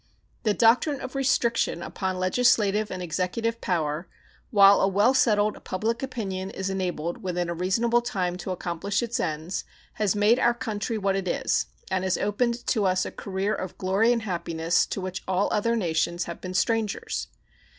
The doctrine of restriction upon legislative and executive power, while a well settled public opinion is enabled within a reasonable time to accomplish its ends, has made our country what it is, and has opened to us a career of glory and happiness to which all other nations have been strangers.